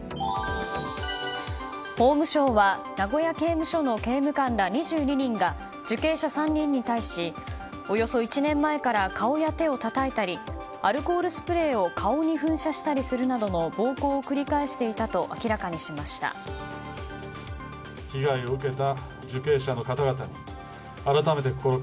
法務省は名古屋刑務所の刑務官ら２２人が受刑者３人に対しおよそ１年前から顔や手をたたいたりアルコールスプレーを顔に噴射したりするなどの暴行を繰り返していたと明らかにしました。